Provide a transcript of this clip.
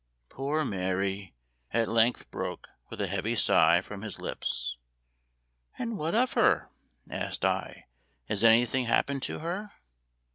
"Poor Mary!" at length broke, with a heavy sigh, from his lips. "And what of her," asked I, "has anything happened to her?"